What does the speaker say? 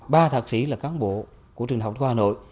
ba thạc sĩ là cán bộ của trường học khoa hà nội